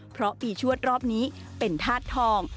เพราะปีชวดรอบนี้เป็นธาตุทอง